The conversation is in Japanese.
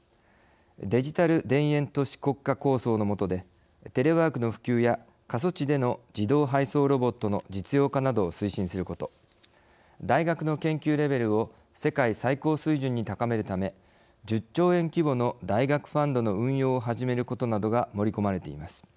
デジタル田園都市国家構想のもとで、テレワークの普及や過疎地での自動配送ロボットの実用化などを推進すること大学の研究レベルを世界最高水準に高めるため１０兆円規模の大学ファンドの運用を始めることなどが盛り込まれています。